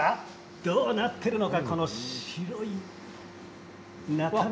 どうなっているのか。